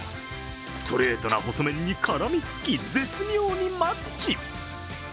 ストレートな細麺に絡みつき絶妙にマッチ。